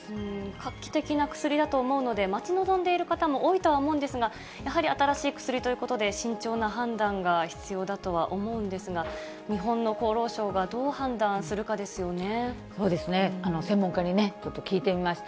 画期的な薬だと思うので、待ち望んでいる方も多いとは思うんですが、やはり新しい薬ということで、慎重な判断が必要だとは思うんですが、日本の厚労省がどう判断すそうですね、専門家にちょっと聞いてみました。